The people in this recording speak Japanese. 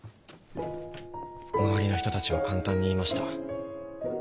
周りの人たちは簡単に言いました。